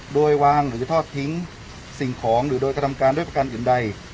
โดยวางหรือทอดทิ้งสิ่งของหรือโดยกระทำการด้วยประการอื่นใด